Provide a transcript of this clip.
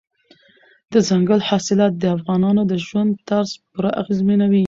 دځنګل حاصلات د افغانانو د ژوند طرز پوره اغېزمنوي.